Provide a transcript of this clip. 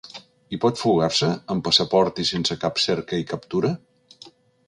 I pot fugar-se amb passaport i sense cap "cerca i captura"?